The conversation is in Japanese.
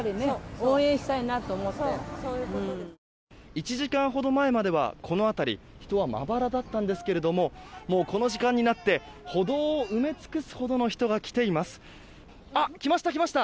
１時間ほど前まではこの辺り人はまばらだったんですけどもこの時間になって歩道を埋め尽くす人が来ています。来ました、来ました。